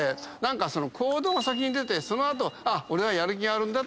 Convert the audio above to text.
行動が先に出てその後俺はやる気があるんだって思う。